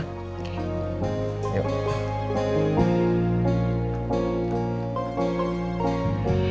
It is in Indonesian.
maksudnya tapi yaudah kita ke taman flamingo kan ya